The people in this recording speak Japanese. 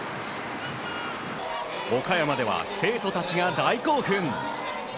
岡山では生徒たちが大興奮。